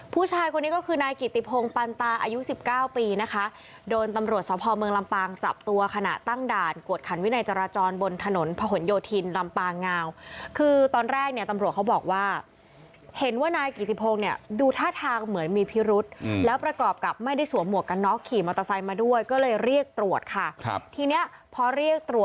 อ๋อผู้ชายคนนี้ก็คือนายกิติพงปันตาอายุสิบเก้าปีนะคะโดนตำรวจสะพอเมืองลำปางจับตัวขณะตั้งด่านกวดขันวินัยจราจรบนถนนพหนโยธินลำปางงาวคือตอนแรกเนี่ยตำรวจเขาบอกว่าเห็นว่านายกิติพงเนี่ยดูท่าทางเหมือนมีพิรุธอืมแล้วประกอบกับไม่ได้สวมหมวกกันน๊อกขี่มอเตอร์